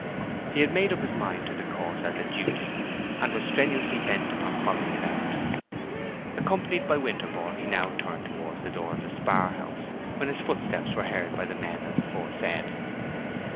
He had made up his mind to the course as a duty, and was strenuously bent upon following it out. Accompanied by Winterborne, he now turned towards the door of the spar house, when his footsteps were heard by the men as aforesaid.